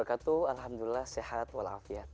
alhamdulillah sehat wa alafiat